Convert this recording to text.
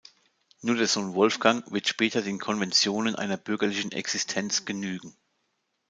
Nur der Sohn Wolfgang wird später den Konventionen einer bürgerlichen Existenz genügen“.